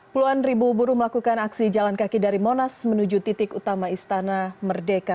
puluhan ribu buruh melakukan aksi jalan kaki dari monas menuju titik utama istana merdeka